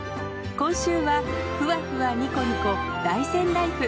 今週はふわふわニコニコ大山ライフ。